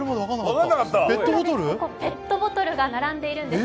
ここペットボトルが並んでいるんです。